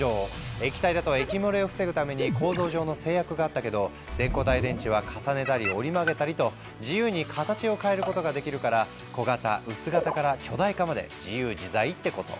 液体だと液漏れを防ぐために構造上の制約があったけど全固体電池は重ねたり折り曲げたりと自由に形を変えることができるから小型・薄型から巨大化まで自由自在ってこと。